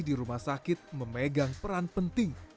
di rumah sakit memegang peran penting